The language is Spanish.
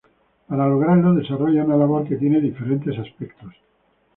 Para lograrlo, desarrolla una labor que tiene diferentes aspectos.